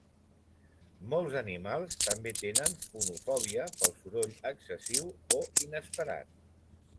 Molts animals també tenen fonofòbia pel soroll excessiu o inesperat.